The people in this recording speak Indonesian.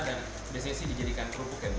dan biasanya sih dijadikan kerupuk ya bu